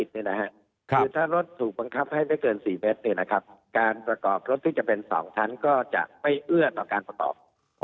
คือถ้ารถถูกบังคับให้ไม่เกิน๔เมตรการประกอบรถที่จะเป็น๒ชั้นก็จะไม่เอื้อต่อการประกอบ